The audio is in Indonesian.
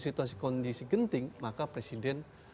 situasi kondisi genting maka presiden